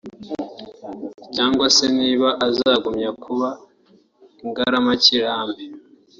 cyangwa se niba azagumya kuba ingaramakirambi